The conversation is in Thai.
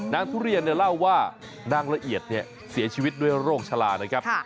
ทุเรียนเล่าว่านางละเอียดเสียชีวิตด้วยโรคชะลานะครับ